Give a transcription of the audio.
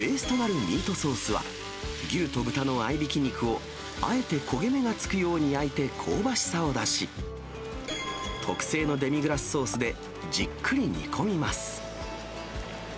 ベースとなるミートソースは、牛と豚の合いびき肉を、あえて焦げ目がつくように焼いて、香ばしさを出し、特製のデミグラスソースでじっくり煮込みます。